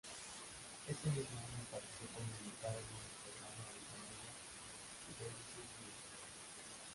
Ese mismo año apareció como invitada en el programa de comedia "Delicious Guys".